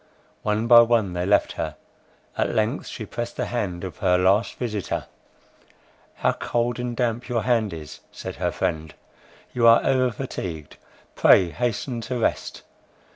One by one they left her—at length she pressed the hand of her last visitor. "How cold and damp your hand is," said her friend; "you are over fatigued, pray hasten to rest."